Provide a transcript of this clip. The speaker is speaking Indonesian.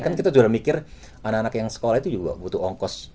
kan kita juga mikir anak anak yang sekolah itu juga butuh ongkos